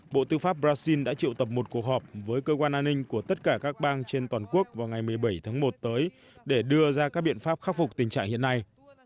bộ tư pháp brazil đã triệu tập một cuộc họp với cơ quan an ninh của tất cả các bang trên toàn quốc vào ngày một mươi bảy tháng một tới để đưa ra các biện pháp khắc phục tình trạng hiện nay